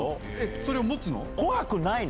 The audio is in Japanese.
それを持つの？